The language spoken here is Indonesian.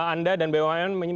anda dan bumn